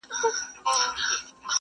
• ستا پر سره ګلاب چي و غوړېږمه,